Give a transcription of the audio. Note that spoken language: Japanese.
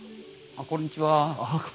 ああこんにちは。